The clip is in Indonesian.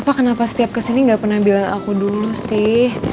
bapak kenapa setiap kesini gak pernah bilang aku dulu sih